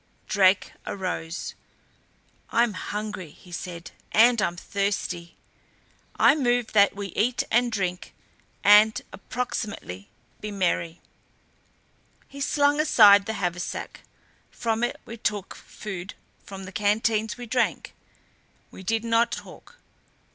Drake arose. "I'm hungry," he said, "and I'm thirsty. I move that we eat and drink and approximately be merry." He slung aside the haversack. From it we took food; from the canteens we drank. We did not talk.